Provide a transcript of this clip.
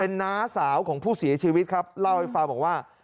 น้าสาวของผู้เสียชีวิตครับเล่าให้ฟังบอกว่า